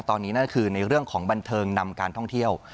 ตอนนี้นั่นคือในเรื่องของบันเทิงนำการท่องเที่ยว